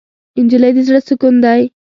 نجلۍ د زړه سکون دی.